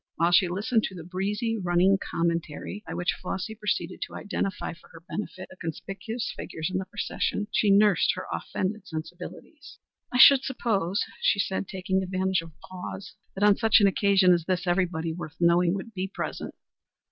While she listened to the breezy, running commentary by which Flossy proceeded to identify for her benefit the conspicuous figures in the procession she nursed her offended sensibilities. "I should suppose," she said, taking advantage of a pause, "that on such an occasion as this everybody worth knowing would be present."